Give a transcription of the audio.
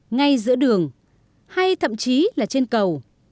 ngay giữa đường hay thậm chí là trên cầu